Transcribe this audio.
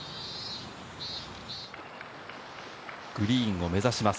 グリーンを目指します。